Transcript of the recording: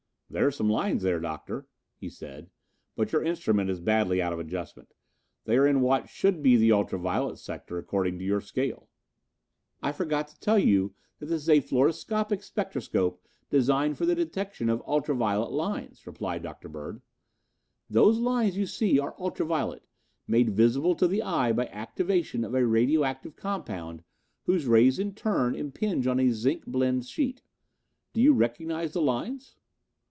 "There are some lines there, Doctor," he said, "but your instrument is badly out of adjustment. They are in what should be the ultra violet sector, according to your scale." "I forgot to tell you that this is a fluoroscopic spectroscope designed for the detection of ultra violet lines," replied Dr. Bird. "Those lines you see are ultra violet, made visible to the eye by activation of a radioactive compound whose rays in turn impinge on a zinc blende sheet. Do you recognize the lines?"